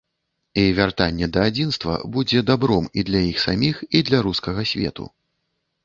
І вяртанне да адзінства будзе дабром і для іх саміх, і для рускага свету.